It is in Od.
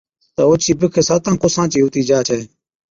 تہ اوڇِي بِک ساتان ڪوسان چِي هُتِي جا ڇَي۔